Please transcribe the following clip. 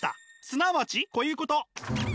すなわちこういうこと。